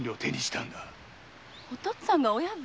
お父っつぁんが親分？